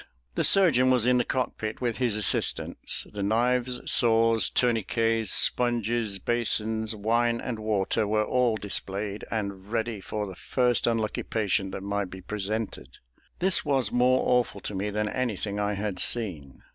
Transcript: The surgeon was in the cockpit with his assistants. The knives, saws, tourniquets, sponges, basins, wine and water, were all displayed and ready for the first unlucky patient that might be presented. This was more awful to me than anything I had seen.